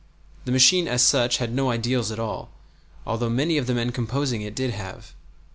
The machine as such had no ideals at all, although many of the men composing it did have.